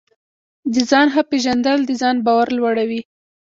د ځان ښه پېژندل د ځان باور لوړوي.